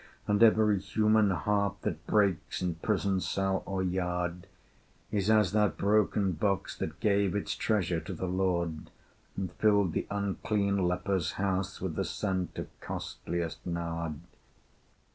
And every human heart that breaks, In prison cell or yard, Is as that broken box that gave Its treasure to the Lord, And filled the unclean leper's house With the scent of costliest nard.